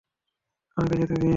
আমাকে যেতে দিন।